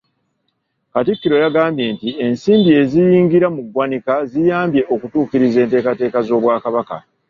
Katikkiro yagambye nti ensimbi eziyingira mu ggwanika ziyambye okutuukiriza enteekateeka z’Obwakabaka.